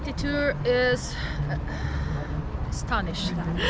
tentu saja menarik